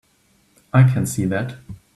I can see that.